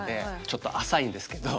ちょっと浅いんですけど。